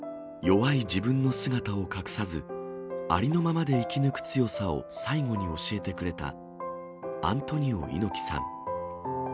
弱い自分の姿を隠さず、ありのままで生き抜く強さを最期に教えてくれたアントニオ猪木さん。